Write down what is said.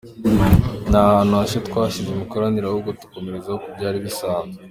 Nta hantu hashya twashyize imikoranire ahubwo turakomereza ku byari bisanzwe.